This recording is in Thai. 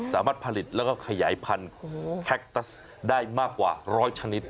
สามารถผลิตแล้วก็ขยายพันธุ์แคคตัสได้มากกว่าร้อยชนิด